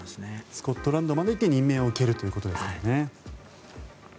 スコットランドまで行って任命を受けるということですね。